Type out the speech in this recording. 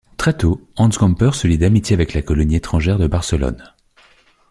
Très tôt, Hans Gamper se lie d'amitié avec la colonie étrangère de Barcelone.